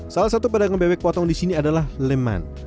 salah satu pedagang bebek potong di sini adalah leman